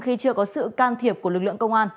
khi chưa có sự can thiệp của lực lượng công an